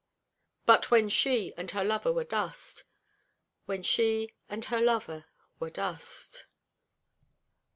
But when she and her lover were dust. When she and her lover were dust.